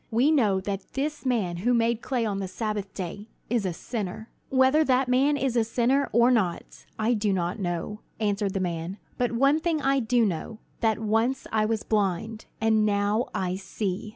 We know that this man who made clay on the Sabbath day is a sinner." "Whether that man is a sinner, or not, I do not know," answered the man; "but one thing I do know, that once I was blind, and now I see.